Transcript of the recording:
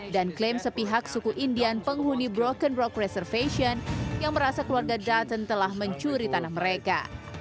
dan klaim sepihak suku indian penghuni broken rock reservation yang merasa keluarga dutton telah mencuri tanah mereka